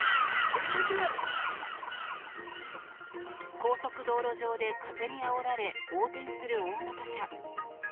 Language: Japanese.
高速道路上で風にあおられ、横転する大型車。